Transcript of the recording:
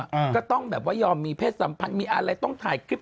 ก็ต้องแบบว่ายอมมีเพศสัมพันธ์มีอะไรต้องถ่ายคลิป